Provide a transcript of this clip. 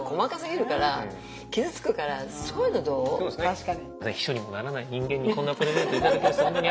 確かに。